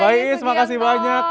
mbak is makasih banyak